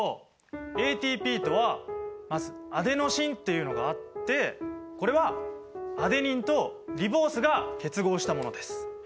ＡＴＰとはまずアデノシンっていうのがあってこれはアデニンとリボースが結合したものです。